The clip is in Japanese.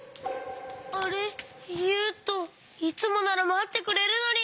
あれゆうといつもならまってくれるのに！